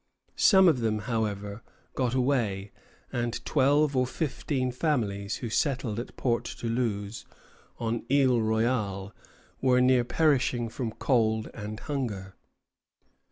Some of them, however, got away, and twelve or fifteen families who settled at Port Toulouse, on Isle Royale, were near perishing from cold and hunger.